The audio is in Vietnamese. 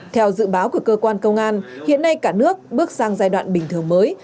theo dự báo của cơ quan công an hiện nay cả nước bước sang giai đoạn bình thường mới